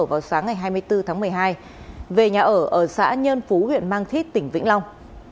vào sáng ngày hai mươi bốn tháng một mươi hai về nhà ở ở xã nhơn phú huyện mang thít tỉnh vĩnh long